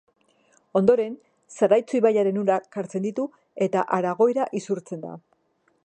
Ondoren Zaraitzu ibaiaren urak hartzen ditu eta Aragoira isurtzen da.